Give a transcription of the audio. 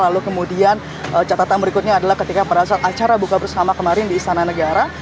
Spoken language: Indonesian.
lalu kemudian catatan berikutnya adalah ketika pada saat acara buka bersama kemarin di istana negara